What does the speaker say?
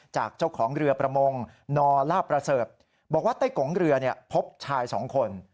จากเจ้าของเรือประมงนลาบประเสริฐบอกว่าไต้กงเรือพบชายสองคน